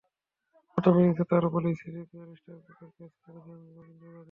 প্রথম ইনিংসে তাঁর বলেই স্লিপে অ্যালিস্টার কুকের ক্যাচ ছেড়েছেন রবীন্দ্র জাদেজা।